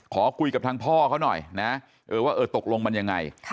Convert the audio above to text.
ขอคุยกับทางพ่อเขาหน่อยนะว่าเออตกลงมันยังไง